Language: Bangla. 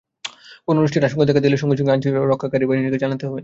কোন অনিষ্টের আশংকা দেখা দিলে সঙ্গে সঙ্গে আইন শৃঙ্খলা বাহিনীকে জানতে হবে।